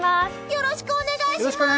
よろしくお願いします！